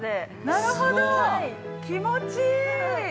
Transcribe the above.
◆なるほど、気持ちいい。